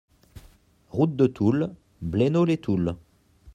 Route de Toul, Blénod-lès-Toul